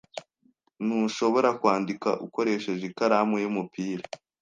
Ntushobora kwandika ukoresheje ikaramu y'umupira?